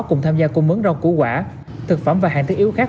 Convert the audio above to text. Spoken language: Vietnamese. cùng tham gia cung mướn rau củ quả thực phẩm và hạn thức yếu khác